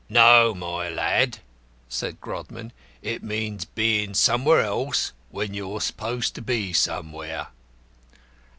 "No, my lad," said Grodman, "it means being somewhere else when you're supposed to be somewhere."